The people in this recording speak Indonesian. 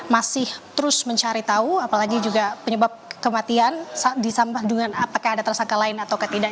masih terus mencari tahu apalagi juga penyebab kematian apakah ada tersangka lain atau tidak